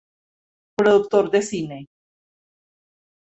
Productor de cine.